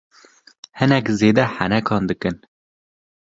Hinek zêde henekan dikin.